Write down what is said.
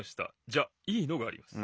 じゃいいのがあります。